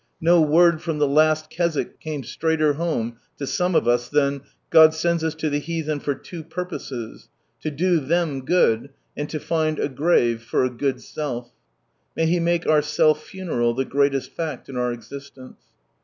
No word from the last Keswick came straighter home to some of us than, "God sends us to the heathen for two purposes, to do them good, and to find a grave for a good self." May He make our self funeral the greatest fact in our existence.